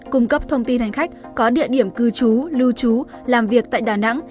cung cấp thông tin hành khách có địa điểm cư trú lưu trú làm việc tại đà nẵng